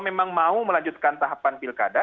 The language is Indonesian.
memang mau melanjutkan tahapan pilkada